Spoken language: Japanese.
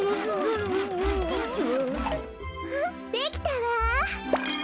フフできたわ！